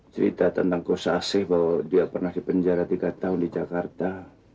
cerita tentang kosa bahwa dia pernah dipenjara tiga tahun di jakarta